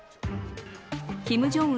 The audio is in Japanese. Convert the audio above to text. キム・ジョンウン